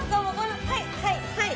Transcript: はいはいはい。